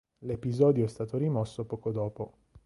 L'episodio è stato rimosso poco dopo.